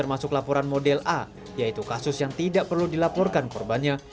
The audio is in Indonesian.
termasuk laporan model a yaitu kasus yang tidak perlu dilaporkan korbannya